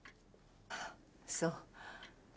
そう。